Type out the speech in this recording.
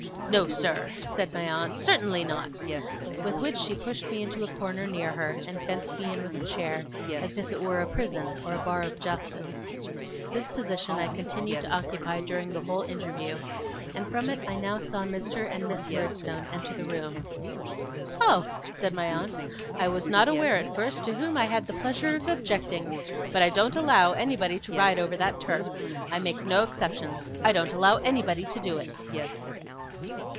'No, sir,' said my aunt. 'Certainly not!' With which she pushed me into a corner near her, and fenced Me in with a chair, as if it were a prison or a bar of justice. This position I continued to occupy during the whole interview, and from it I now saw Mr. and Miss Murdstone enter the room. 'Oh!' said my aunt, 'I was not aware at first to whom I had the pleasure of objecting. But I don't allow anybody to ride over that turf. I make no exceptions. I don't allow anybody to do it.